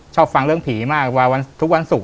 ฟังเรื่องผีมากว่าทุกวันศุกร์